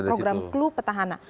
program klu petahana